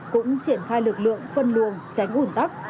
cũng triển khai lực lượng phân luồng tránh ủn tắc